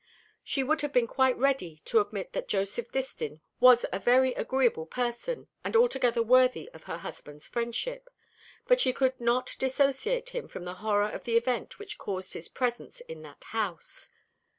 She would have been quite ready to admit that Joseph Distin was a very agreeable person, and altogether worthy of her husband's friendship; but she could not dissociate him from the horror of the event which caused his presence in that house.